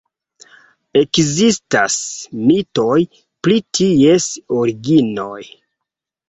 Ekzistas mitoj pri ties originoj.